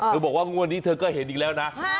ก็บอกว่าโง่นี้เธอแค่เห็นอีกแล้วนะ